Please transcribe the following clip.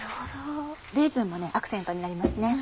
レーズンもアクセントになります。